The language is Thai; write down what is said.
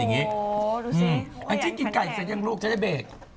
แองจีกินไก่เสร็จยังรูปเฉยแบร์ค